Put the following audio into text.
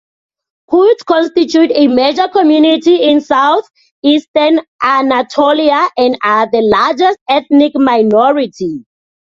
Kurds constitute a major community in southeastern Anatolia, and are the largest ethnic minority.